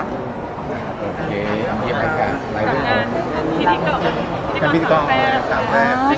โอเคเอามาเรียบร้ายกัน